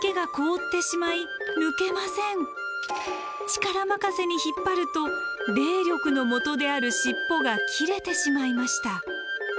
力任せに引っ張ると霊力のもとである尻尾が切れてしまいました。